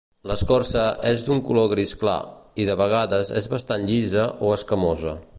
L'escorça és d'un color gris clar, i de vegades és bastant llisa o escamosa.